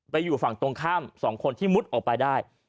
อยู่ฝั่งตรงข้าม๒คนที่มุดออกไปได้